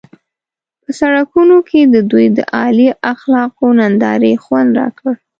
په سړکونو کې د دوی د اعلی اخلاقو نندارې خوند راکړ.